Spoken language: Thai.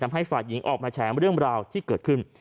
ให้ฝ่ายหญิงออกมาแฉเรื่องราวที่เกิดขึ้น